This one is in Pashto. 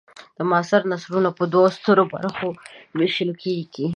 معاصر نثرونه په دوو سترو برخو وېشل کیږي.